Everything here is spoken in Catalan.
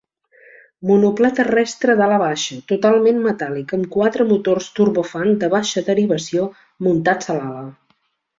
Monoplà terrestre d'ala baixa totalment metàl·lic amb quatre motors turbofan de baixa derivació muntats a l'ala.